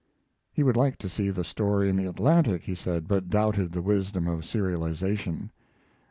He would like to see the story in the Atlantic, he said, but doubted the wisdom of serialization.